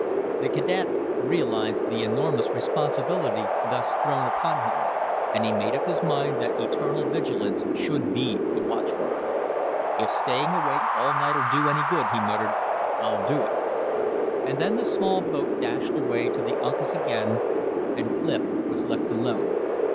The cadet realized the enormous responsibility thus thrown upon him, and he made up his mind that eternal vigilance should be the watchword. "If staying awake all night'll do any good," he muttered, "I'll do it." And then the small boat dashed away to the Uncas again, and Clif was left alone.